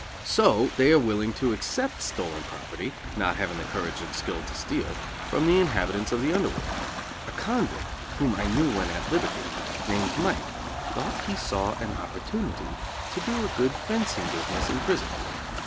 So they are willing to accept stolen property, not having the courage and skill to steal, from the inhabitants of the under world. A convict, whom I knew when at liberty, named Mike, thought he saw an opportunity to do a good "fencing" business in prison.